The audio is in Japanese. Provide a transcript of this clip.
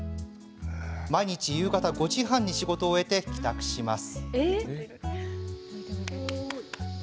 毎日、夕方５時半に仕事を終えて帰宅します。